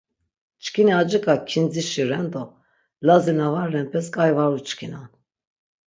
Çkini acik̆a kindzişi ren do Lazi na va renpes k̆ai var uçkinan.